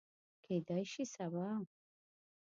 کیدای شي سبا